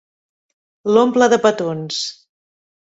L'omple de petons.